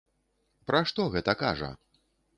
Пра што гэта кажа?